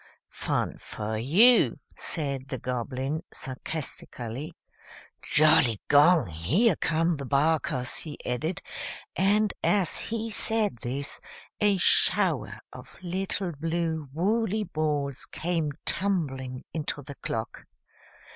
Fun for you," said the Goblin, sarcastically. "Jolligong! Here come the Barkers!" he added, and, as he said this, a shower of little blue woolly balls came tumbling into the clock.